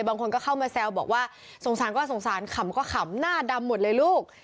บางคนก็เข้ามาแซวบอกว่าสงสารก็สงสารขำก็ขำหน้าดำหมดเลยลูก